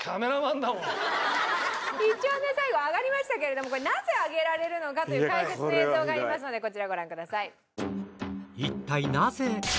一応ね最後上がりましたけれどもこれなぜ上げられるのかという解説の映像がありますのでこちらご覧ください。